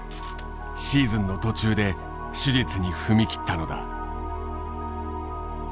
シーズンの途中で手術に踏み切ったのだ。